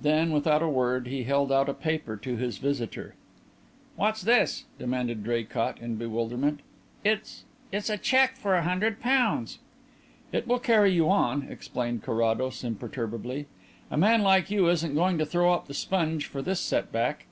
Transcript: Then, without a word, he held out a paper to his visitor. "What's this?" demanded Draycott, in bewilderment. "It's it's a cheque for a hundred pounds." "It will carry you on," explained Carrados imperturbably. "A man like you isn't going to throw up the sponge for this set back.